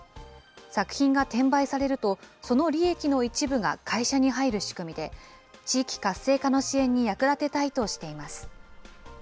作品が転売されると、その利益の一部が会社に入る仕組みで、地域活性化の支援に役立てたいとしています。